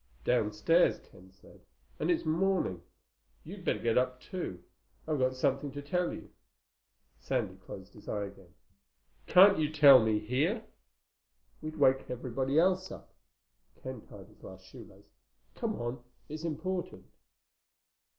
"Downstairs," Ken said. "And it's morning. You'd better get up too. I've got something to tell you." Sandy closed his eye again. "Can't you tell me here?" "We'd wake everybody else up." Ken tied his last shoelace. "Come on. It's important."